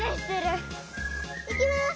いきます！